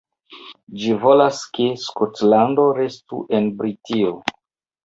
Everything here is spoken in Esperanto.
Ĝi volas ke Skotlando restu en Britio.